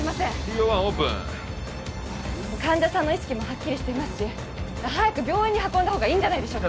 ＴＯ１オープン患者さんの意識もはっきりしていますし早く病院に運んだほうがいいんじゃないでしょうか